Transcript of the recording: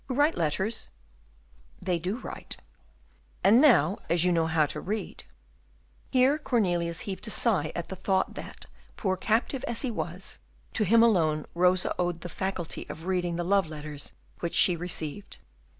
"Who write letters?" "They do write." "And now, as you know how to read " Here Cornelius heaved a sigh at the thought, that, poor captive as he was, to him alone Rosa owed the faculty of reading the love letters which she received.